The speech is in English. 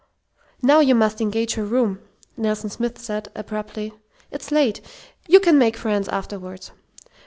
"Now you must engage her room," Nelson Smith said, abruptly. "It's late. You can make friends afterward."